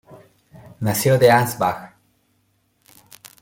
Nació de Ansbach.